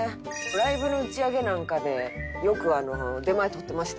ライブの打ち上げなんかでよく出前取ってました。